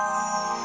terima kasih ya